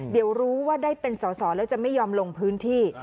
เดี๋ยวรู้ว่าได้เป็นสอสอแล้วจะไม่ยอมลงพื้นที่